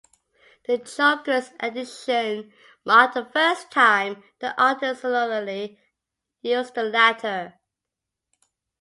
The Jokers' Edition marked the first time the artist solely used the latter.